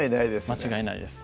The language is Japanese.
間違いないです